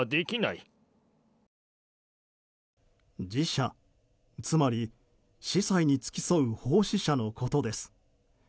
侍者、つまり司祭に付き添う奉仕者のことです。